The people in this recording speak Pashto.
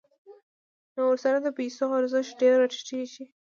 نو ورسره د پیسو ارزښت ډېر راټیټېږي